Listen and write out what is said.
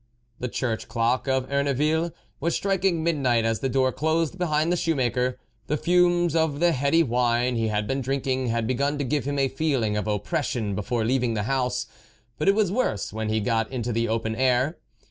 The church clock of Erneville was striking midnight as the door closed behind the shoemaker. The fumes of the heady wine he had been drinking had begun to give him a feeling of oppression before leaving the house, but it was worse when he got into the open air.